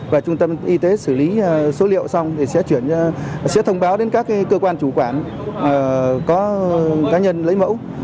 và trung tâm y tế xử lý số liệu xong thì sẽ chuyển sẽ thông báo đến các cơ quan chủ quản có cá nhân lấy mẫu